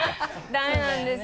ダメなんですよ。